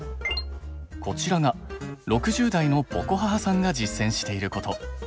こちらが６０代のｐｏｃｏｈａｈａさんが実践していること。